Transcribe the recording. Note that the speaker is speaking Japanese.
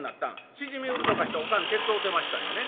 しじみ売りとかしておかん手伝うてましたんやね。